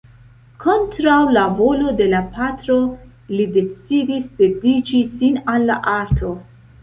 Kontraŭ la volo de la patro, li decidis dediĉi sin al la arto.